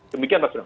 demikian mas bram